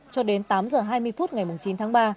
cho đến tám h hai mươi phút ngày chín tháng ba